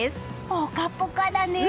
ポカポカだね。